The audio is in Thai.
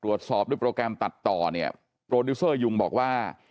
ตรวจสอบด้วยโปรแกรมตัดต่อเนี่ยโปรดิวเซอร์ยุงบอกว่า